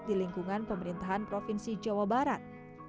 di lingkungan pemerintahan provinsi jawa barat